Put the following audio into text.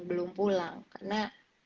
belum pulang karena